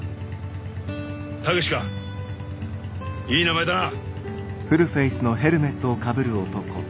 武志かいい名前だな。